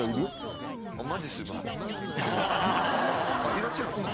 いらっしゃるんすか？